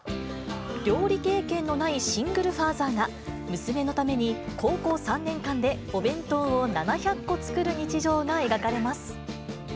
料理経験のないシングルファーザーが、娘のために高校３年間でお弁当を７００個作る日常が描かれます。